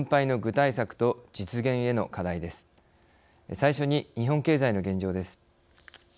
最初に日本経済の現状です。